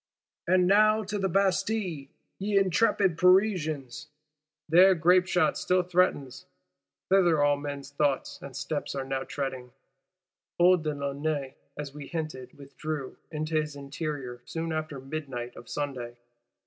—And now, to the Bastille, ye intrepid Parisians! There grapeshot still threatens; thither all men's thoughts and steps are now tending. Old de Launay, as we hinted, withdrew "into his interior" soon after midnight of Sunday.